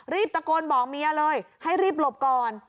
รีบตะโกนบอกเมียเลยให้รีบหลบก่อน